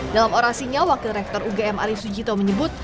dalam orasinya wakil rektor ugm arief sujito menyebut